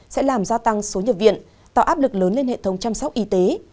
sẽ làm gia tăng số nhập viện tạo áp lực lớn lên hệ thống chăm sóc y tế